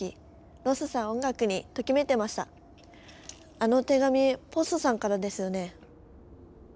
あの手紙ポッソさんからですよね？